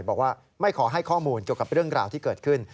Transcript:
บอกว่าไม่ขอให้ข้อมูลเกี่ยวกับเรื่องราวที่เกิดขึ้น